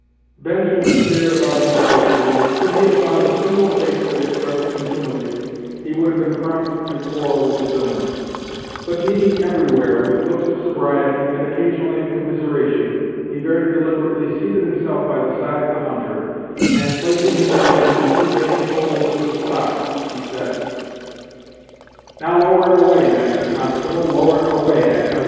Benjamin stared about him fiercely, and could he have found a single face that expressed contumely, he would have been prompt to quarrel with its owner; but meeting everywhere with looks of sobriety, and occasionally of commiseration, he very deliberately seated himself by the side of the hunter, and, placing his legs in the two vacant holes of the stocks, he said: "Now lower away, master constable, lower away, I tell ye!